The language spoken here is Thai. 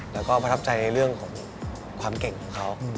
แล้วก็ประทับใจในเรื่องของความเก่งของเขา